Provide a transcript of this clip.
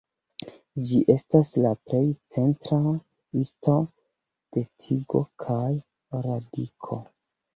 Ĝi estas la plej centra histo de tigo kaj radiko.